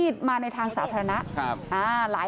ใช่